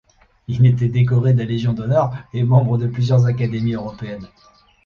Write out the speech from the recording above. Il était décoré de la Légion d'honneur et membre de plusieurs académies européennes.